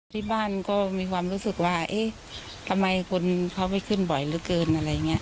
ที่บ้านก็มีความรู้สึกว่าเอ๊ะทำไมคนเขาไปขึ้นบ่อยเหลือเกินอะไรอย่างนี้